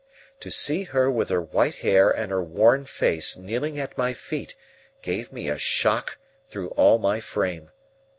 To see her with her white hair and her worn face kneeling at my feet gave me a shock through all my frame.